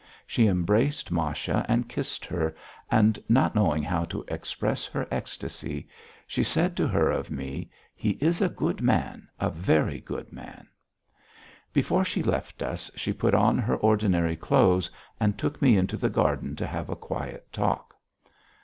She embraced Masha and kissed her, and, not knowing how to express her ecstasy, she said to her of me: "He is a good man! A very good man." Before she left us, she put on her ordinary clothes, and took me into the garden to have a quiet talk.